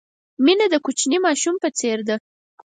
مینه د کوچني ماشوم په څېر ده.